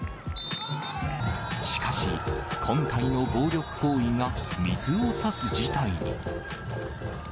しかし、今回の暴力行為が水をさす事態に。